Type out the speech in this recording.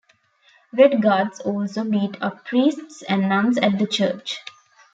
Red Guards also beat up priests and nuns at the church.